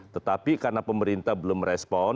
tetapi karena pemerintah belum respon